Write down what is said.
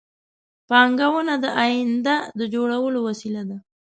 پانګونه د آینده د جوړولو وسیله ده